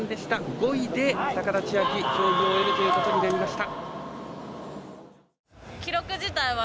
５位で高田千明競技を終えることになりました。